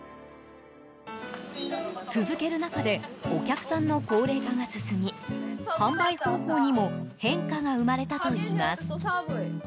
続ける中でお客さんの高齢化が進み販売方法にも変化が生まれたといいます。